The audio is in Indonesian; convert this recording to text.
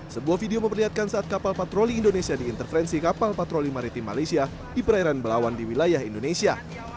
sebuah video memperlihatkan saat kapal patroli indonesia diinterferensi kapal patroli maritim malaysia di perairan belawan di wilayah indonesia